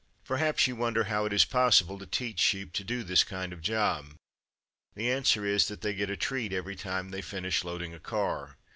Perhaps you wonder how it is possible to teach sheep to do this kind of job. The answer is that they get a treat every time they finish loading a car.